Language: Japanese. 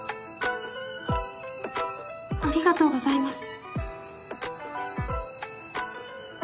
ありがとうございます。